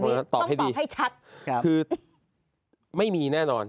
ต้องตอบให้ชัดครับคือไม่มีแน่นอน